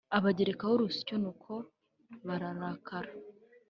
Abagerakaho urusyo nuko bararakara